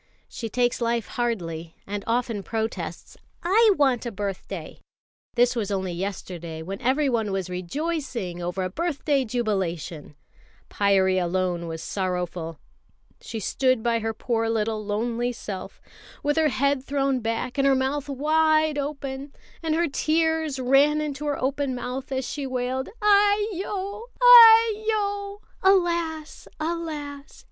She takes life hardly, and often protests. "I want a birthday!" this was only yesterday, when everyone was rejoicing over a birthday jubilation. Pyârie alone was sorrowful. She stood by her poor little lonely self, with her head thrown back and her mouth wide open, and her tears ran into her open mouth as she wailed: "Aiyo! Aiyo! (Alas! Alas!)